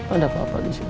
ada apa apa di sini